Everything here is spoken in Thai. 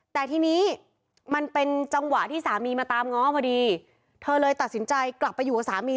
แต่ทีนี้มันเป็นจังหวะที่สามีมาตามง้อพอดีเธอเลยตัดสินใจกลับไปอยู่กับสามี